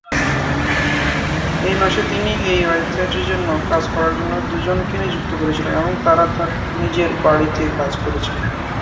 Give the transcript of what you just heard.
এই মাসে তিনি এই ওয়েবসাইটের জন্য কাজ করার জন্য দুজনকে নিযুক্ত করেছিলেন এবং তারা তার বাড়িতে কাজ করেছিল।